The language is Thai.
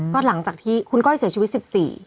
ก็หลังจากที่คุณก้อยเสียชีวิต๑๔